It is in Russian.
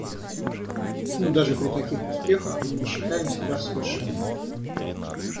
Но даже при таких успехах, мы не считаем себя совершенными.